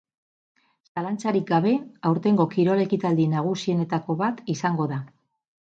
Zalantzarik gabe, aurtengo kirol ekitaldi nagusienetako bat izango da.